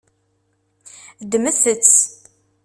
Ddmet-tt.